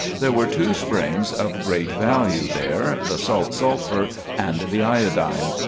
There were two springs of great value there, the Salt Sulphur and the Iodine.